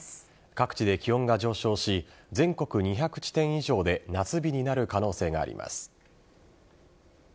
各地で気温が上昇し全国２００地点以上で夏日になる可能性があります。